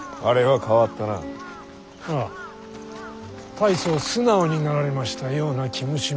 大層素直になられましたような気もしまするが。